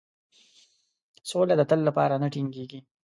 سوله د تل لپاره نه ټینګیږي.